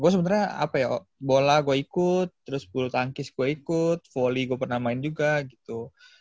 gue sebenarnya apa ya bola gue ikut terus bulu tangkis gue ikut volley gue pernah main juga gitu